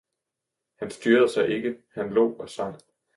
Han styrede sig ikke; han lo og sang.